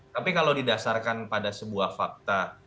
tapi kalau didasarkan pada sebuah fakta